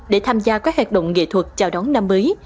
để tham gia các hoạt động nghệ thuật chào đón năm mới